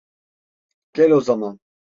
Gel o zaman.